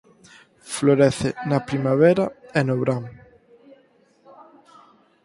Florece na primavera e no verán.